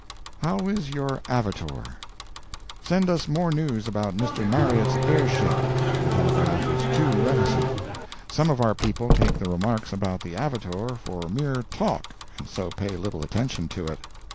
How Is Your Avitor? Send us more news about Mr. Marriott's air ship—the telegraph is too reticent. Some of our people take the remarks about the Avitor for mere "talk," and so pay little attention to it.